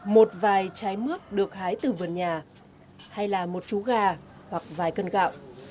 một vài trái mướt được hái từ vườn nhà hay là một chú gà hoặc vài cân gạo